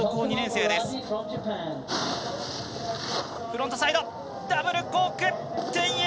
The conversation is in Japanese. フロントサイド・ダブルコーク１０８０！